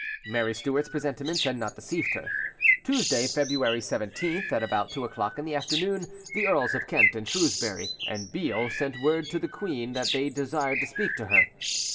Mary Stuart's presentiments had not deceived her: Tuesday, February 17th, at about two o'clock in the afternoon, the Earls of Kent and Shrewsbury, and Beale sent word to the queen that they desired to speak with her.